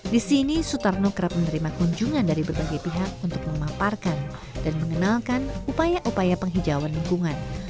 di sini sutarno kerap menerima kunjungan dari berbagai pihak untuk memaparkan dan mengenalkan upaya upaya penghijauan lingkungan